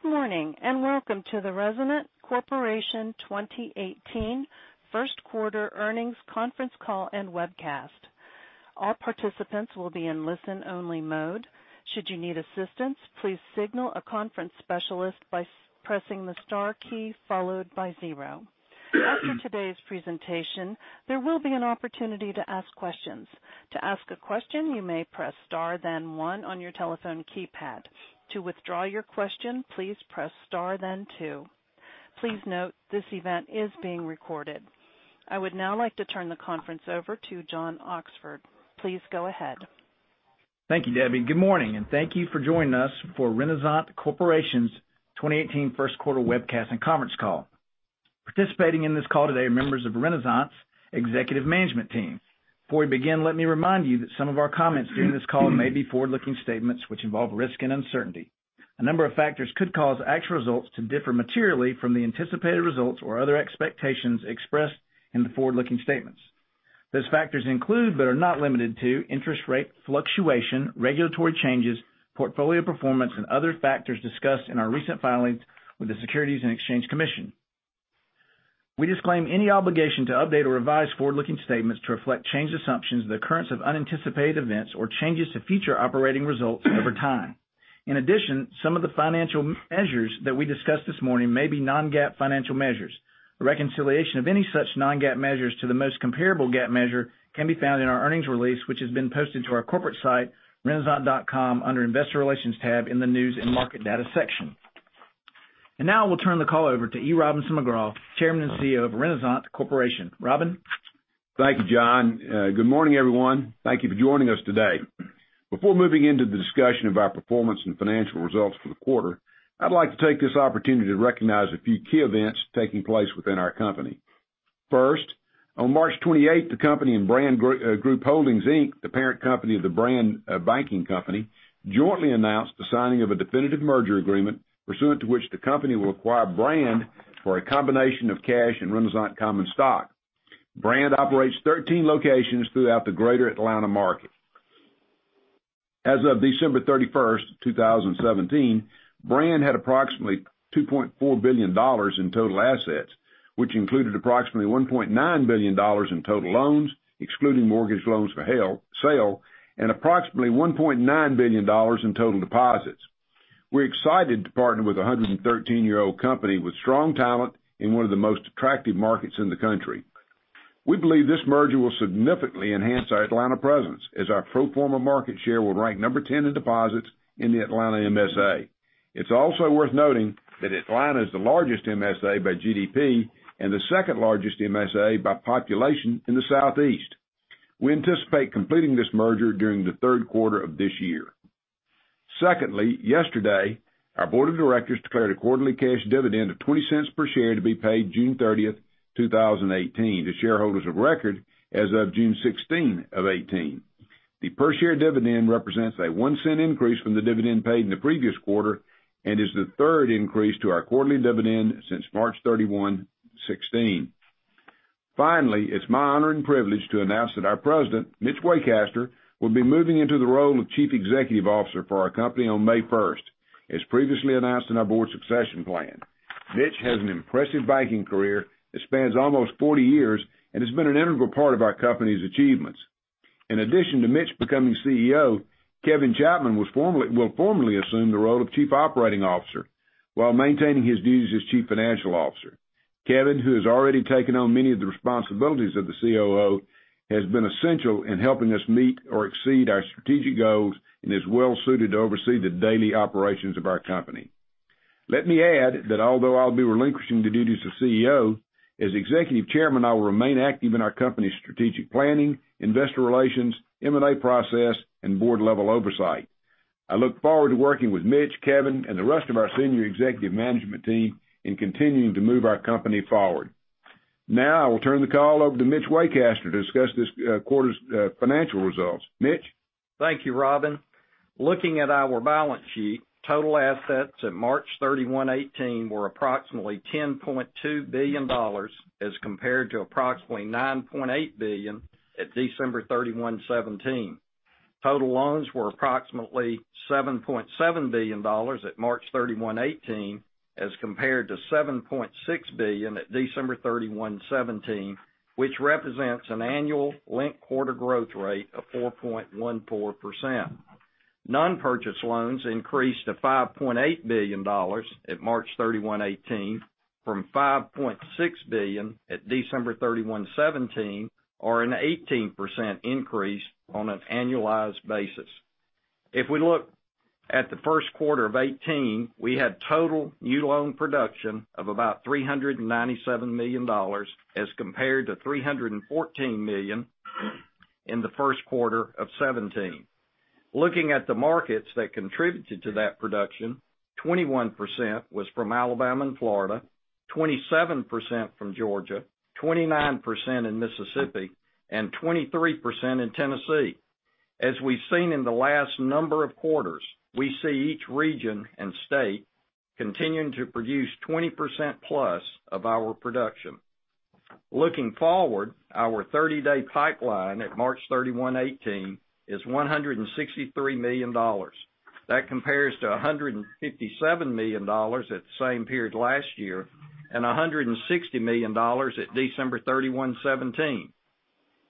Good morning, and welcome to the Renasant Corporation 2018 first quarter earnings conference call and webcast. All participants will be in listen-only mode. Should you need assistance, please signal a conference specialist by pressing the star key followed by 0. After today's presentation, there will be an opportunity to ask questions. To ask a question, you may press star 1 on your telephone keypad. To withdraw your question, please press star 2. Please note, this event is being recorded. I would now like to turn the conference over to John Oxford. Please go ahead. Thank you, Debbie. Good morning, and thank you for joining us for Renasant Corporation's 2018 first quarter webcast and conference call. Participating in this call today are members of Renasant's executive management team. Before we begin, let me remind you that some of our comments during this call may be forward-looking statements which involve risk and uncertainty. A number of factors could cause actual results to differ materially from the anticipated results or other expectations expressed in the forward-looking statements. Those factors include, but are not limited to, interest rate fluctuation, regulatory changes, portfolio performance, and other factors discussed in our recent filings with the Securities and Exchange Commission. We disclaim any obligation to update or revise forward-looking statements to reflect changed assumptions in the occurrence of unanticipated events or changes to future operating results over time. In addition, some of the financial measures that we discuss this morning may be non-GAAP financial measures. A reconciliation of any such non-GAAP measures to the most comparable GAAP measure can be found in our earnings release, which has been posted to our corporate site, renasant.com, under Investor Relations tab in the News and Market Data section. Now, we'll turn the call over to E. Robinson McGraw, Chairman and CEO of Renasant Corporation. Robin? Thank you, John. Good morning, everyone. Thank you for joining us today. Before moving into the discussion of our performance and financial results for the quarter, I'd like to take this opportunity to recognize a few key events taking place within our company. First, on March 28, the company and Brand Group Holdings, Inc., the parent company of The Brand Banking Company, jointly announced the signing of a definitive merger agreement, pursuant to which the company will acquire Brand for a combination of cash and Renasant common stock. Brand operates 13 locations throughout the Greater Atlanta market. As of December 31, 2017, Brand had approximately $2.4 billion in total assets, which included approximately $1.9 billion in total loans, excluding mortgage loans for sale, and approximately $1.9 billion in total deposits. We're excited to partner with 113-year-old company with strong talent in one of the most attractive markets in the country. We believe this merger will significantly enhance our Atlanta presence, as our pro forma market share will rank number 10 in deposits in the Atlanta MSA. It's also worth noting that Atlanta is the largest MSA by GDP and the second largest MSA by population in the Southeast. We anticipate completing this merger during the third quarter of this year. Yesterday, our board of directors declared a quarterly cash dividend of $0.20 per share to be paid June 30th, 2018 to shareholders of record as of June 16, 2018. The per-share dividend represents a $0.01 increase from the dividend paid in the previous quarter and is the third increase to our quarterly dividend since March 31, 2016. It's my honor and privilege to announce that our president, Mitch Waycaster, will be moving into the role of Chief Executive Officer for our company on May 1st, as previously announced in our board succession plan. Mitch has an impressive banking career that spans almost 40 years and has been an integral part of our company's achievements. In addition to Mitch becoming CEO, Kevin Chapman will formally assume the role of Chief Operating Officer while maintaining his duties as Chief Financial Officer. Kevin, who has already taken on many of the responsibilities of the COO, has been essential in helping us meet or exceed our strategic goals and is well suited to oversee the daily operations of our company. Let me add that although I'll be relinquishing the duties of CEO, as Executive Chairman, I will remain active in our company's strategic planning, investor relations, M&A process, and board-level oversight. I look forward to working with Mitch, Kevin, and the rest of our senior executive management team in continuing to move our company forward. I will turn the call over to Mitch Waycaster to discuss this quarter's financial results. Mitch? Thank you, Robin. Looking at our balance sheet, total assets at March 31, 2018 were approximately $10.2 billion as compared to approximately $9.8 billion at December 31, 2017. Total loans were approximately $7.7 billion at March 31, 2018 as compared to $7.6 billion at December 31, 2017, which represents an annual linked quarter growth rate of 4.14%. Non-purchase loans increased to $5.8 billion at March 31, 2018 from $5.6 billion at December 31, 2017, or an 18% increase on an annualized basis. If we look at the first quarter of 2018, we had total new loan production of about $397 million as compared to $314 million in the first quarter of 2017. Looking at the markets that contributed to that production, 21% was from Alabama and Florida, 27% from Georgia, 29% in Mississippi, and 23% in Tennessee. As we've seen in the last number of quarters, we see each region and state continuing to produce 20% plus of our production. Looking forward, our 30-day pipeline at March 31, 2018 is $163 million. That compares to $157 million at the same period last year and $160 million at December 31, 2017.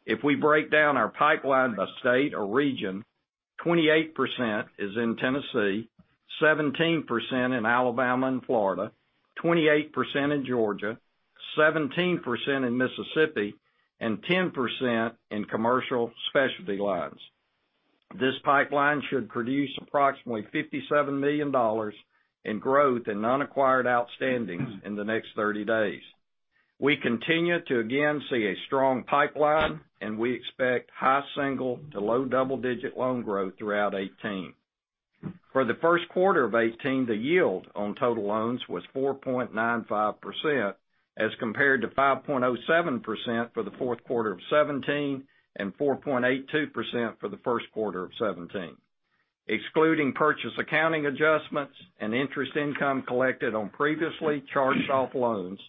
If we break down our pipeline by state or region, 28% is in Tennessee, 17% in Alabama and Florida, 28% in Georgia, 17% in Mississippi, and 10% in commercial specialty lines. This pipeline should produce approximately $57 million in growth in non-acquired outstandings in the next 30 days. We continue to again see a strong pipeline, and we expect high single to low double-digit loan growth throughout 2018. For the first quarter of 2018, the yield on total loans was 4.95%, as compared to 5.07% for the fourth quarter of 2017 and 4.82% for the first quarter of 2017. Excluding purchase accounting adjustments and interest income collected on previously charged-off loans,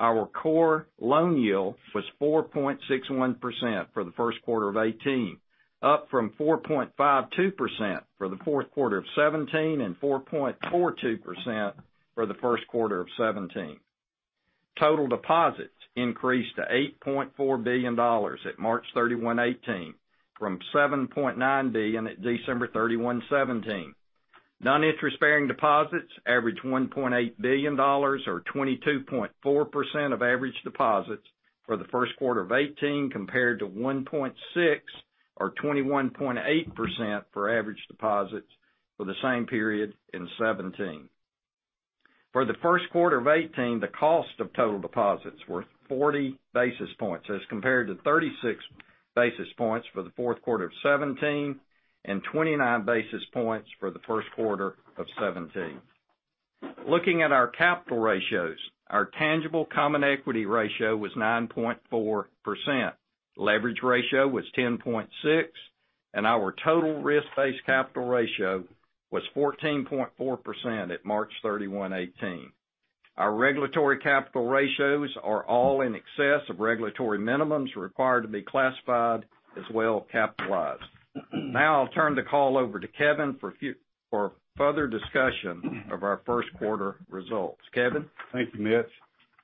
our core loan yield was 4.61% for the first quarter of 2018, up from 4.52% for the fourth quarter of 2017 and 4.42% for the first quarter of 2017. Total deposits increased to $8.4 billion at March 31, 2018, from $7.9 billion at December 31, 2017. Non-interest-bearing deposits averaged $1.8 billion, or 22.4% of average deposits for the first quarter of 2018, compared to $1.6, or 21.8%, for average deposits for the same period in 2017. For the first quarter of 2018, the cost of total deposits was 40 basis points as compared to 36 basis points for the fourth quarter of 2017 and 29 basis points for the first quarter of 2017. Looking at our capital ratios, our tangible common equity ratio was 9.4%. Leverage ratio was 10.6%, and our total risk-based capital ratio was 14.4% at March 31, 2018. Our regulatory capital ratios are all in excess of regulatory minimums required to be classified as well-capitalized. Now I'll turn the call over to Kevin for further discussion of our first quarter results. Kevin? Thank you, Mitch.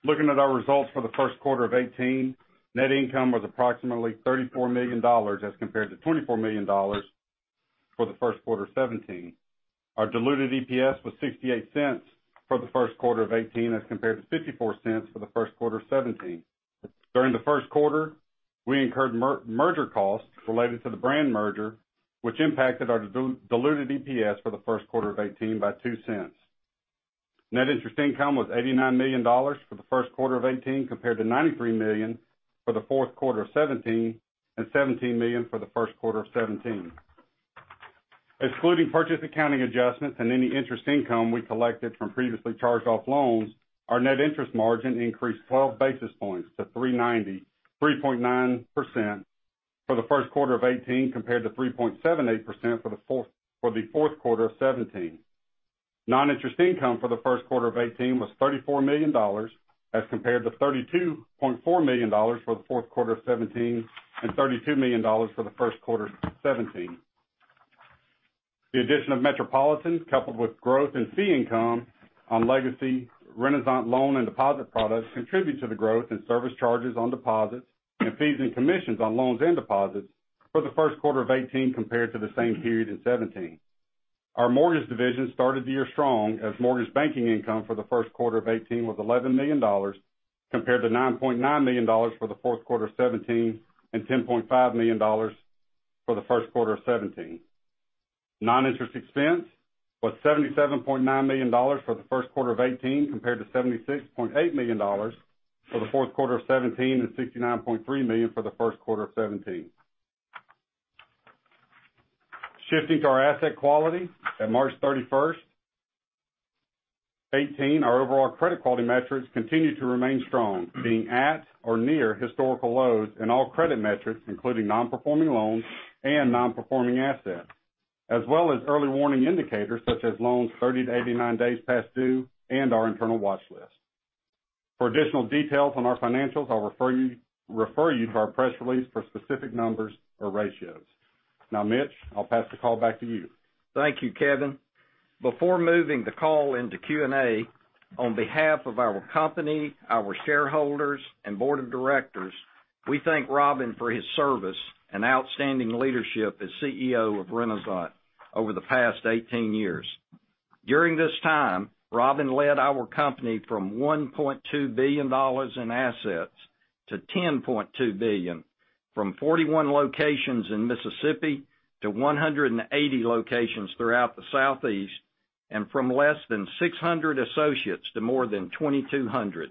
Looking at our results for the first quarter of 2018, net income was approximately $34 million as compared to $24 million for the first quarter of 2017. Our diluted EPS was $0.68 for the first quarter of 2018 as compared to $0.54 for the first quarter of 2017. During the first quarter, we incurred merger costs related to the Brand merger, which impacted our diluted EPS for the first quarter of 2018 by $0.02. Net interest income was $89 million for the first quarter of 2018, compared to $93 million for the fourth quarter of 2017 and $17 million for the first quarter of 2017. Excluding purchase accounting adjustments and any interest income we collected from previously charged-off loans, our net interest margin increased 12 basis points to 3.9% for the first quarter of 2018, compared to 3.78% for the fourth quarter of 2017. Non-interest income for the first quarter of 2018 was $34 million as compared to $32.4 million for the fourth quarter of 2017 and $32 million for the first quarter of 2017. The addition of Metropolitan, coupled with growth in fee income on legacy Renasant loan and deposit products, contribute to the growth in service charges on deposits and fees and commissions on loans and deposits for the first quarter of 2018 compared to the same period in 2017. Our mortgage division started the year strong, as mortgage banking income for the first quarter of 2018 was $11 million, compared to $9.9 million for the fourth quarter of 2017 and $10.5 million for the first quarter of 2017. Non-interest expense was $77.9 million for the first quarter of 2018, compared to $76.8 million for the fourth quarter of 2017 and $69.3 million for the first quarter of 2017. Shifting to our asset quality, at March 31, 2018, our overall credit quality metrics continued to remain strong, being at or near historical lows in all credit metrics, including non-performing loans and non-performing assets, as well as early warning indicators such as loans 30 to 89 days past due and our internal watch list. For additional details on our financials, I'll refer you to our press release for specific numbers or ratios. Mitch, I'll pass the call back to you. Thank you, Kevin. Before moving the call into Q&A, on behalf of our company, our shareholders, and board of directors, we thank Robin for his service and outstanding leadership as CEO of Renasant over the past 18 years. During this time, Robin led our company from $1.2 billion in assets to $10.2 billion, from 41 locations in Mississippi to 180 locations throughout the Southeast, and from less than 600 associates to more than 2,200.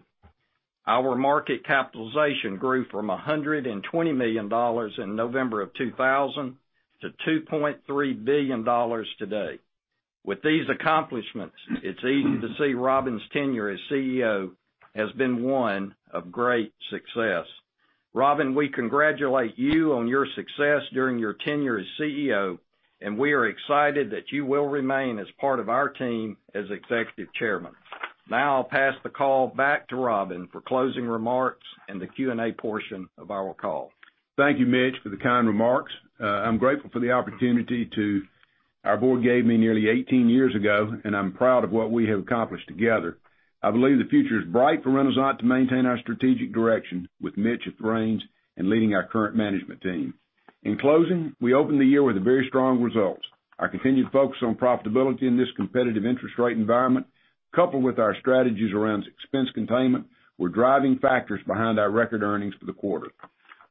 Our market capitalization grew from $120 million in November of 2000 to $2.3 billion today. With these accomplishments, it's easy to see Robin's tenure as CEO has been one of great success. Robin, we congratulate you on your success during your tenure as CEO, and we are excited that you will remain as part of our team as executive chairman. I'll pass the call back to Robin for closing remarks and the Q&A portion of our call. Thank you, Mitch, for the kind remarks. I'm grateful for the opportunity our board gave me nearly 18 years ago, and I'm proud of what we have accomplished together. I believe the future is bright for Renasant to maintain our strategic direction with Mitch at the reins and leading our current management team. In closing, we opened the year with very strong results. Our continued focus on profitability in this competitive interest rate environment, coupled with our strategies around expense containment, were driving factors behind our record earnings for the quarter.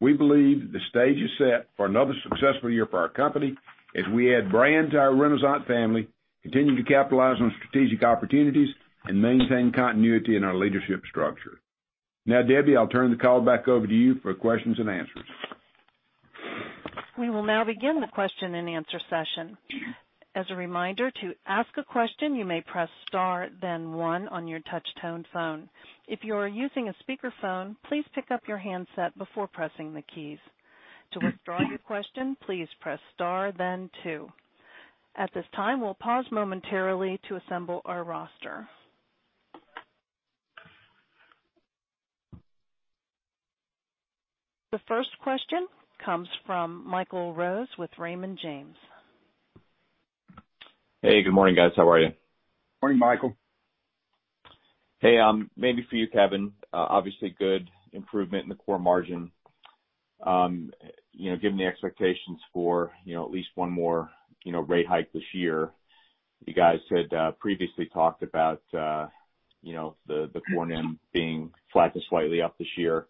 We believe the stage is set for another successful year for our company as we add Brands to our Renasant family, continue to capitalize on strategic opportunities, and maintain continuity in our leadership structure. Now, Debbie, I'll turn the call back over to you for questions and answers. We will now begin the question and answer session. As a reminder, to ask a question, you may press star then one on your touch-tone phone. If you are using a speakerphone, please pick up your handset before pressing the keys. To withdraw your question, please press star then two. At this time, we'll pause momentarily to assemble our roster. The first question comes from Michael Rose with Raymond James. Hey, good morning, guys. How are you? Morning, Michael. Hey, maybe for you, Kevin. Obviously, good improvement in the core margin. Given the expectations for at least one more rate hike this year, you guys had previously talked about the core NIM being flat to slightly up this year.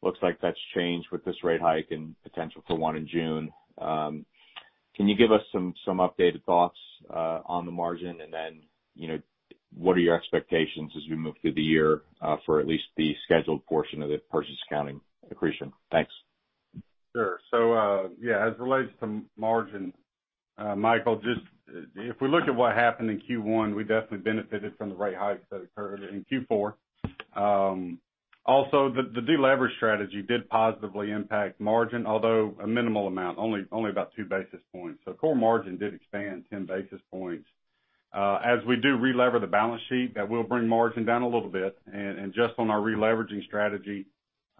Looks like that's changed with this rate hike and potential for one in June. Can you give us some updated thoughts on the margin? What are your expectations as we move through the year for at least the scheduled portion of the purchase accounting accretion? Thanks. Sure. As it relates to margin, Michael, if we look at what happened in Q1, we definitely benefited from the rate hikes that occurred in Q4. Also, the deleverage strategy did positively impact margin, although a minimal amount, only about two basis points. Core margin did expand 10 basis points. As we do relever the balance sheet, that will bring margin down a little bit. On our releveraging strategy,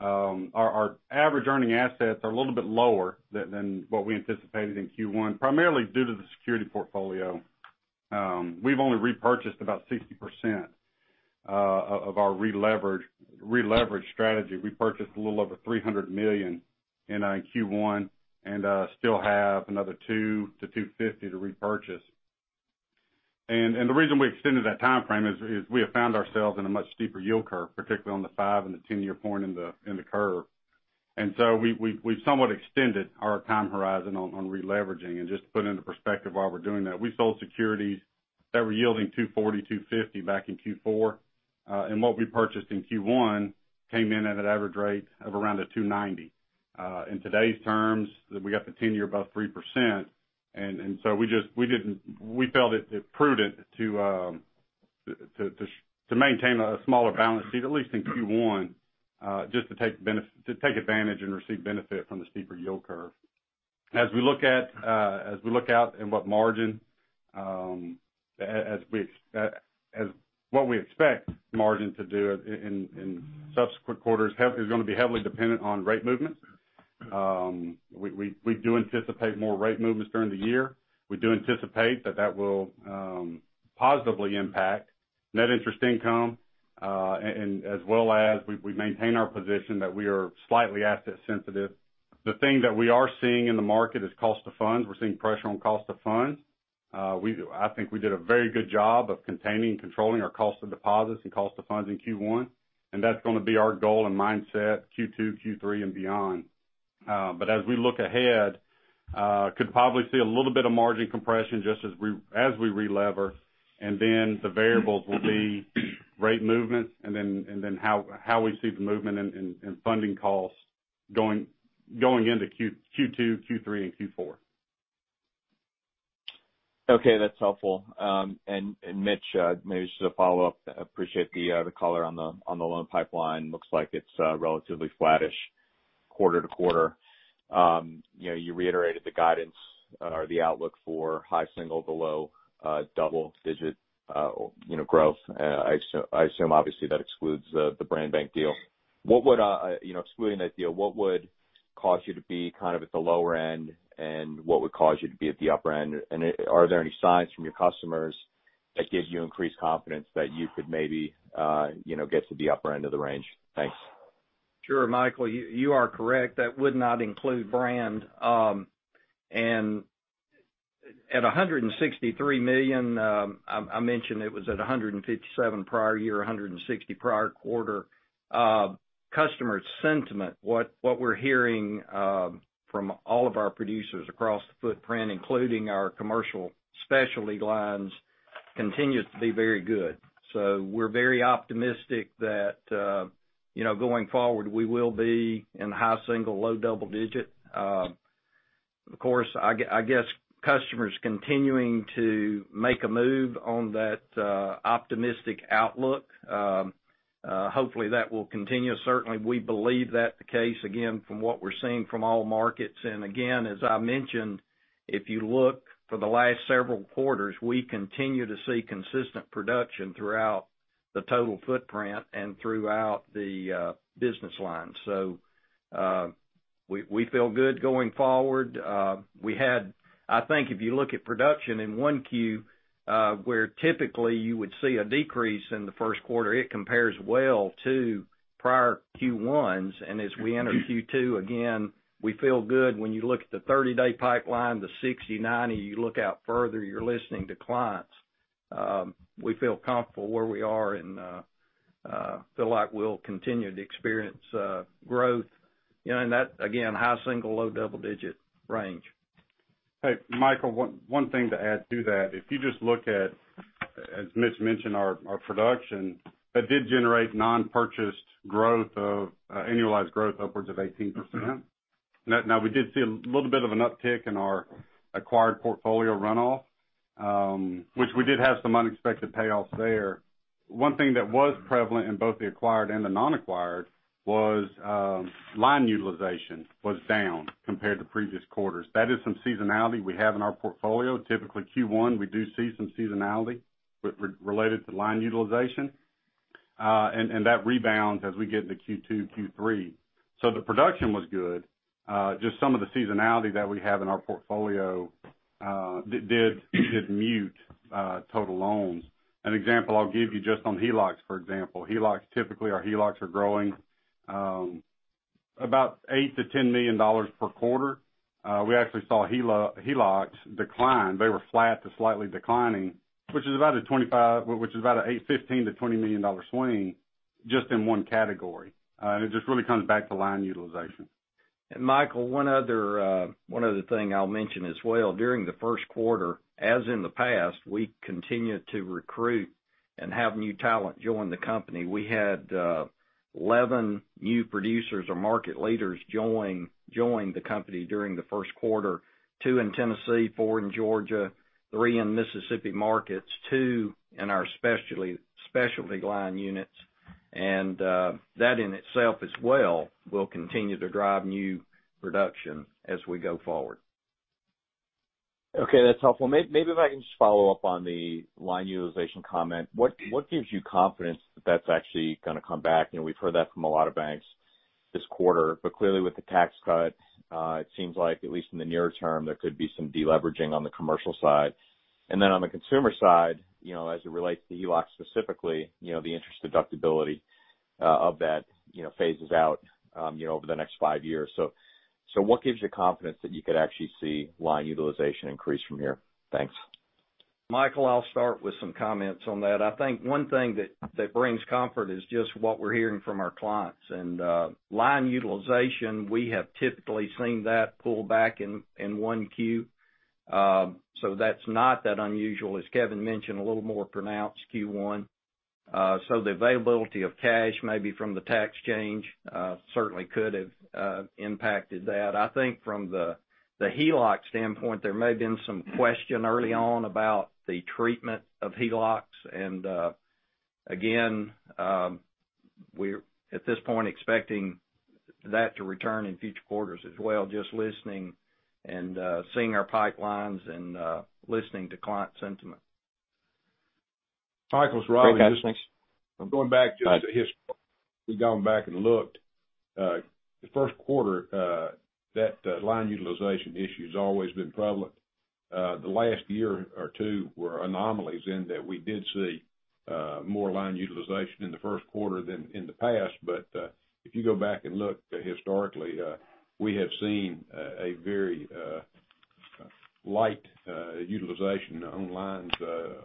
our average earning assets are a little bit lower than what we anticipated in Q1, primarily due to the security portfolio. We've only repurchased about 60% of our releverage strategy. We purchased a little over $300 million in Q1 and still have another $200 million-$250 million to repurchase. The reason we extended that timeframe is we have found ourselves in a much steeper yield curve, particularly on the five and the 10-year point in the curve. We've somewhat extended our time horizon on releveraging. To put into perspective why we're doing that, we sold securities that were yielding 240, 250 back in Q4. What we purchased in Q1 came in at an average rate of around a 290. In today's terms, we got the 10-year above 3%, we felt it prudent to maintain a smaller balance sheet, at least in Q1, just to take advantage and receive benefit from the steeper yield curve. As we look out and what we expect margin to do in subsequent quarters is going to be heavily dependent on rate movements. We do anticipate more rate movements during the year. We do anticipate that that will positively impact net interest income, and as well as we maintain our position that we are slightly asset sensitive. The thing that we are seeing in the market is cost of funds. We're seeing pressure on cost of funds. I think we did a very good job of containing and controlling our cost of deposits and cost of funds in Q1, that's going to be our goal and mindset Q2, Q3, and beyond. As we look ahead, could probably see a little bit of margin compression just as we relever, and then the variables will be rate movements and then how we see the movement in funding costs going into Q2, Q3, and Q4. Okay, that's helpful. Mitch, maybe just a follow-up. Appreciate the color on the loan pipeline. Looks like it's relatively flattish quarter-to-quarter. You reiterated the guidance or the outlook for high single to low double-digit growth. I assume, obviously, that excludes the Brand Bank deal. Excluding that deal, what would cause you to be kind of at the lower end, and what would cause you to be at the upper end? Are there any signs from your customers that give you increased confidence that you could maybe get to the upper end of the range? Thanks. Sure, Michael, you are correct. That would not include Brand. At $163 million, I mentioned it was at $157 prior year, $160 prior quarter. Customer sentiment, what we're hearing from all of our producers across the footprint, including our commercial specialty lines, continues to be very good. We're very optimistic that going forward, we will be in high single, low double digit. Of course, I guess customers continuing to make a move on that optimistic outlook. Hopefully, that will continue. Certainly, we believe that's the case, again, from what we're seeing from all markets. Again, as I mentioned, if you look for the last several quarters, we continue to see consistent production throughout the total footprint and throughout the business lines. We feel good going forward. I think if you look at production in 1Q, where typically you would see a decrease in the first quarter, it compares well to prior Q1s. As we enter Q2, again, we feel good when you look at the 30-day pipeline, the 60, 90, you look out further, you're listening to clients. We feel comfortable where we are and feel like we'll continue to experience growth. That, again, high single, low double-digit range. Hey, Michael, one thing to add to that. If you just look at, as Mitch mentioned, our production, that did generate non-purchased annualized growth upwards of 18%. Now, we did see a little bit of an uptick in our acquired portfolio runoff, which we did have some unexpected payoffs there. One thing that was prevalent in both the acquired and the non-acquired was line utilization was down compared to previous quarters. That is some seasonality we have in our portfolio. Typically, Q1, we do see some seasonality related to line utilization. That rebounds as we get into Q2, Q3. The production was good. Just some of the seasonality that we have in our portfolio did mute total loans. An example I'll give you just on HELOCs, for example. Typically, our HELOCs are growing about $8 million-$10 million per quarter. We actually saw HELOCs decline. They were flat to slightly declining, which is about a $15 million-$20 million swing just in one category. It just really comes back to line utilization. Michael, one other thing I'll mention as well. During the first quarter, as in the past, we continued to recruit and have new talent join the company. We had 11 new producers or market leaders join the company during the first quarter, two in Tennessee, four in Georgia, three in Mississippi markets, two in our specialty line units. That in itself as well will continue to drive new production as we go forward. Okay, that's helpful. Maybe if I can just follow up on the line utilization comment. What gives you confidence that that's actually going to come back? We've heard that from a lot of banks this quarter, but clearly with the tax cut, it seems like at least in the near term, there could be some de-leveraging on the commercial side. Then on the consumer side, as it relates to HELOCs specifically, the interest deductibility of that phases out over the next five years. What gives you confidence that you could actually see line utilization increase from here? Thanks. Michael, I'll start with some comments on that. I think one thing that brings comfort is just what we're hearing from our clients. Line utilization, we have typically seen that pull back in 1Q, that's not that unusual, as Kevin mentioned, a little more pronounced Q1. The availability of cash, maybe from the tax change, certainly could have impacted that. I think from the HELOC standpoint, there may have been some question early on about the treatment of HELOCs. Again, we're at this point expecting that to return in future quarters as well, just listening and seeing our pipelines and listening to client sentiment. Great, guys. Thanks. Michael, it's Robbie. Just going back just historically. We've gone back and looked. The first quarter, that line utilization issue's always been prevalent. The last year or two were anomalies in that we did see more line utilization in the first quarter than in the past. If you go back and look historically, we have seen a very light utilization on lines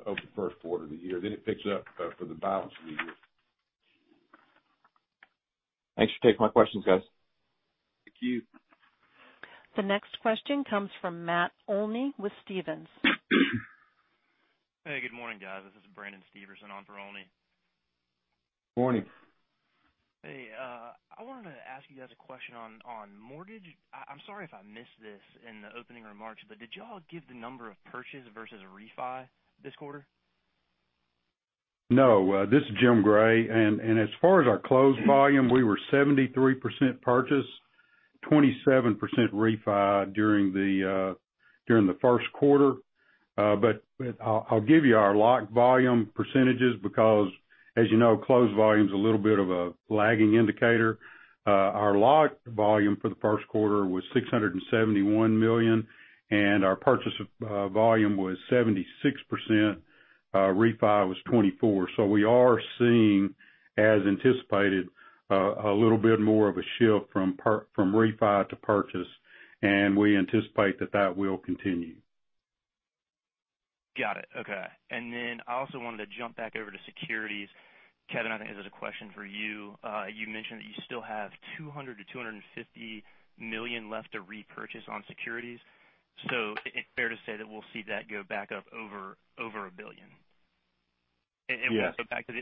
over the first quarter of the year. It picks up for the balance of the year. Thanks for taking my questions, guys. Thank you. The next question comes from Matt Olney with Stephens. Hey, good morning, guys. This is Brandon Stevenson on for Olney. Morning. Hey, I wanted to ask you guys a question on mortgage. I'm sorry if I missed this in the opening remarks, did you all give the number of purchase versus refi this quarter? No. This is Jim Gray. As far as our closed volume, we were 73% purchase, 27% refi during the first quarter. I'll give you our locked volume percentages because as you know, closed volume's a little bit of a lagging indicator. Our locked volume for the first quarter was $671 million, and our purchase volume was 76%, refi was 24%. We are seeing, as anticipated, a little bit more of a shift from refi to purchase, and we anticipate that that will continue. Got it. Okay. I also wanted to jump back over to securities. Kevin, I think this is a question for you. You mentioned that you still have $200 million-$250 million left to repurchase on securities. Is it fair to say that we'll see that go back up over $1 billion? One step back, the $1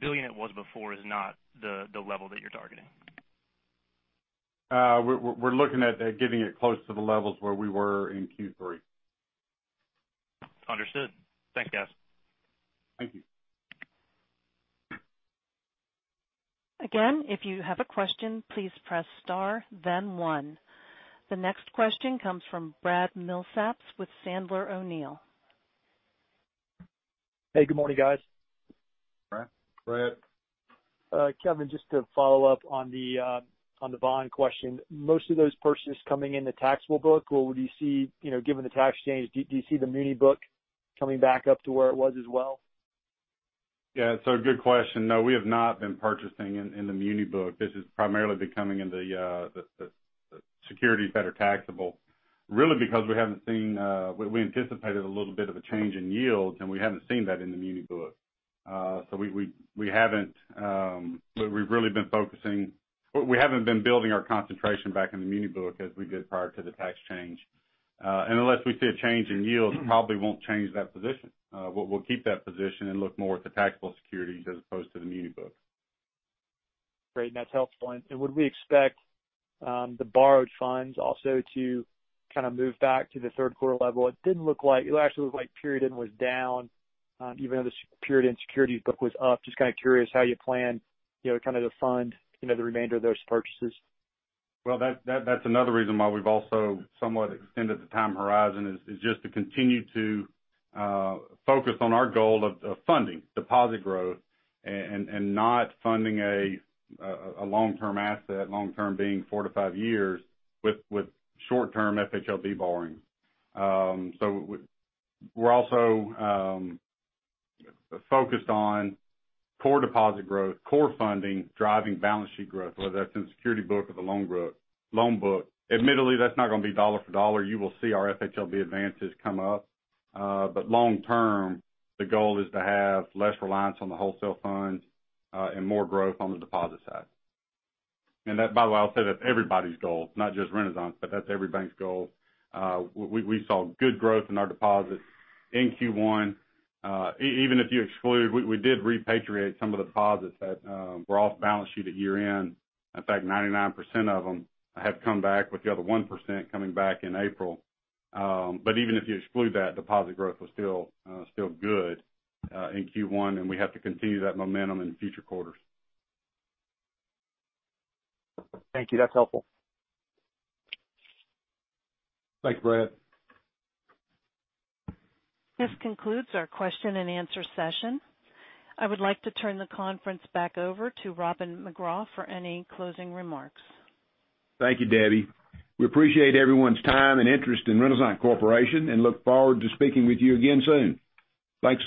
billion it was before is not the level that you're targeting? We're looking at getting it close to the levels where we were in Q3. Understood. Thanks, guys. Thank you. Again, if you have a question, please press star then one. The next question comes from Brad Milsaps with Sandler O'Neill. Hey, good morning, guys. Brad. Kevin, just to follow up on the bond question, most of those purchases coming in the taxable book or do you see, given the tax change, do you see the muni book coming back up to where it was as well? Yeah, good question. No, we have not been purchasing in the muni book. This is primarily becoming in the securities that are taxable, really because we anticipated a little bit of a change in yields, and we haven't seen that in the muni book. We haven't been building our concentration back in the muni book as we did prior to the tax change. Unless we see a change in yields, probably won't change that position. We'll keep that position and look more at the taxable securities as opposed to the muni book. Great. That's helpful. Would we expect the borrowed funds also to kind of move back to the third quarter level? It actually looked like period-end was down, even though the period-end securities book was up. Just kind of curious how you plan to fund the remainder of those purchases. That's another reason why we've also somewhat extended the time horizon is just to continue to focus on our goal of funding deposit growth and not funding a long-term asset, long-term being four to five years, with short-term FHLB borrowing. We're also focused on core deposit growth, core funding, driving balance sheet growth, whether that's in the security book or the loan book. Admittedly, that's not going to be dollar for dollar. You will see our FHLB advances come up. Long-term, the goal is to have less reliance on the wholesale funds and more growth on the deposit side. That, by the way, I'll say that's everybody's goal, not just Renasant, but that's every bank's goal. We saw good growth in our deposits in Q1. Even if you exclude, we did repatriate some of the deposits that were off balance sheet at year-end. In fact, 99% of them have come back with the other 1% coming back in April. Even if you exclude that, deposit growth was still good in Q1, and we have to continue that momentum in future quarters. Thank you. That's helpful. Thanks, Brad. This concludes our question and answer session. I would like to turn the conference back over to Robin McGraw for any closing remarks. Thank you, Debbie. We appreciate everyone's time and interest in Renasant Corporation and look forward to speaking with you again soon. Thanks.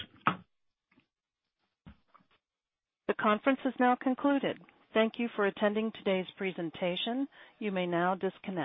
The conference has now concluded. Thank you for attending today's presentation. You may now disconnect.